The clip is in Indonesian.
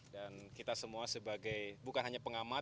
dan kita semua sebagai bukan hanya pengamat